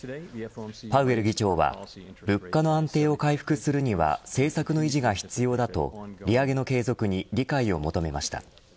パウエル議長は物価の安定を回復するには政策の維持が必要だと利上げの継続に理解を求めました。